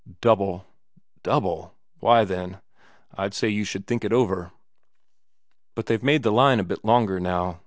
"Double." "Double? Why, then, I'd say you should think it over." "But they've made the line a bit longer now.